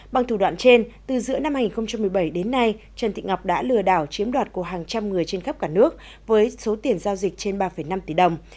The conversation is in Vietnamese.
bằng thủ đoạn trên từ giữa năm hai nghìn một mươi bảy đến nay trần thị ngọc đã lừa đảo chiếm đoạt của hàng trăm người trên khắp cả nước với số tiền giao dịch trên ba năm tỷ đồng